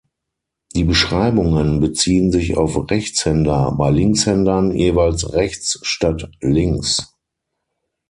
Die Beschreibungen beziehen sich auf Rechtshänder; bei Linkshändern jeweils "rechts" statt "links".